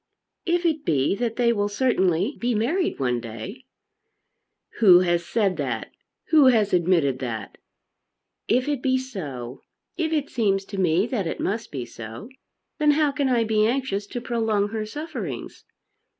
"If it be that they will certainly be married one day " "Who has said that? Who has admitted that?" "If it be so; if it seems to me that it must be so, then how can I be anxious to prolong her sufferings?